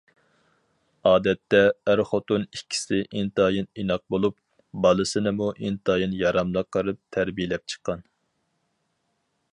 ئادەتتە ئەر- خوتۇن ئىككىسى ئىنتايىن ئىناق بولۇپ، بالىسىنىمۇ ئىنتايىن ياراملىق قىلىپ تەربىيەلەپ چىققان.